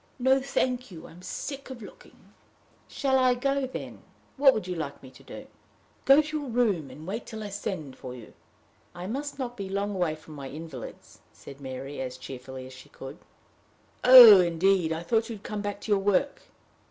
"No, thank you. I am sick of looking." "Shall I go, then? What would you like me to do?" "Go to your room, and wait till I send for you." "I must not be long away from my invalids," said Mary, as cheerfully as she could. "Oh, indeed! I thought you had come back to your work!"